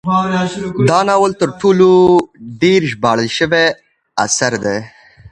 دا ناول تر ټولو ډیر ژباړل شوی اثر دی.